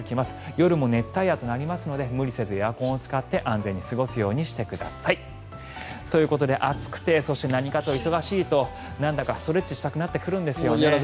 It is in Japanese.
夜も熱帯夜となりますので無理せずエアコンを使って安全に過ごすようにしてください。ということで暑くて、何かと忙しいとなんだかストレッチしたくなってくるんですよね。